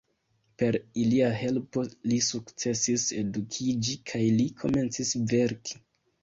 Per ilia helpo li sukcesis edukiĝi, kaj li komencis verki.